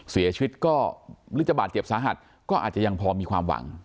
เสียชีวิตก็หรือจะบาดเจ็บสาหัสก็อาจจะยังพอมีความหวัง